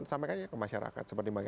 sampaikan ke masyarakat seperti